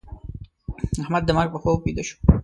احمد د مرګ په خوب ويده شو.